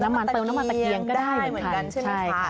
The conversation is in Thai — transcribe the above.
มาเติมน้ำมันตะเกียงก็ได้เหมือนกันใช่ค่ะ